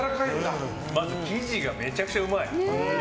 まず生地がめちゃくちゃうまい。